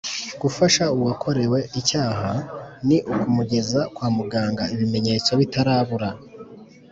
Gufasha uwakorewe icyaha ni ukumugeza kwa muganga ibimenyetso bitarabura